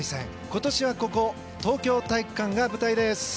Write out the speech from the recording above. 今年はここ東京体育館が舞台です。